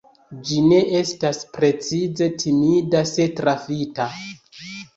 Ĝi ne estas precize timida se trafita.